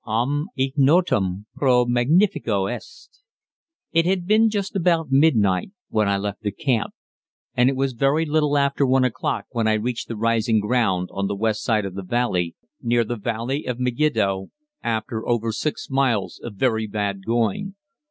"Omne ignotum pro magnifico est." It had been just about midnight when I left the camp, and it was very little after 1 o'clock when I reached the rising ground on the west side of the valley, near the valley of Megiddo, after over 6 miles of very bad going.